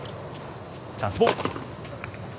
チャンスボール。